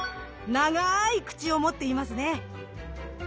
長い口を持っていますね。